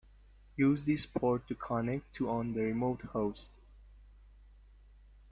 Use this port to connect to on the remote host.